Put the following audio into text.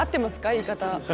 言い方。